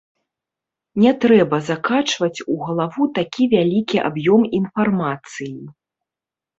Не трэба закачваць у галаву такі вялікі аб'ём інфармацыі.